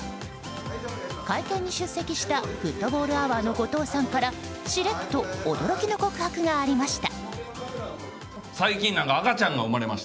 会見に出席したフットボールアワーの後藤さんからしれっと驚きの告白がありました。